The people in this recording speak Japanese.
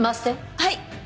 はい！